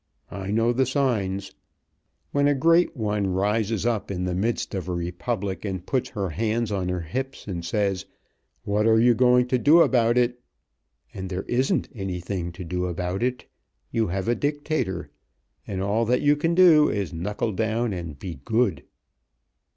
I know the signs. When a Great One rises up in the midst of a Republic and puts her hands on her hips and says 'What are you going to do about it?' and there isn't anything to do about it, you have a dictator, and all that you can do is knuckle down and be good."